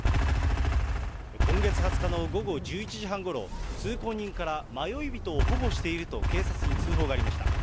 今月２０日の午後１１時半ごろ、通行人から迷い人を保護していると、警察に通報がありました。